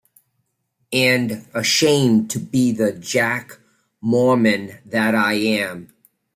And ashamed to be the Jack Mormon that I am.